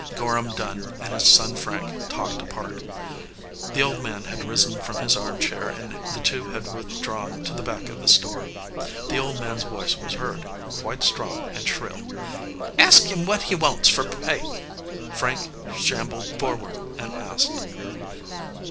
Gorham Dunn and his son Frank talked apart. The old man had risen from his arm chair and the two had withdrawn to the back of the store. The old man s voice was heard, quite strong and shrill. "Ask him what he wants fur pay." Frank shambled forward and asked.